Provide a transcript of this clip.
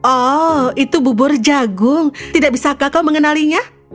oh itu bubur jagung tidak bisakah kau mengenalinya